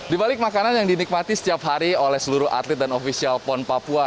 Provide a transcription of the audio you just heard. di balik makanan yang dinikmati setiap hari oleh seluruh atlet dan ofisial pon papua